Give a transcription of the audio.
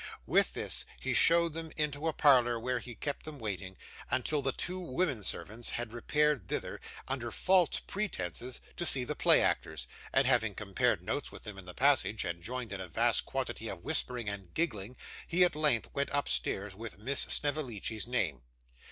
With this he showed them into a parlour where he kept them waiting, until the two women servants had repaired thither, under false pretences, to see the play actors; and having compared notes with them in the passage, and joined in a vast quantity of whispering and giggling, he at length went upstairs with Miss Snevellicci's name.